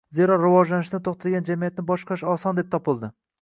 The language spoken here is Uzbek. Zero rivojlanishdan to‘xtagan jamiyatni boshqarish oson deb topildi